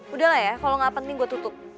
udah lah ya kalau gak penting gue tutup